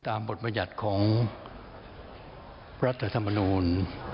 บทบรรยัติของรัฐธรรมนูล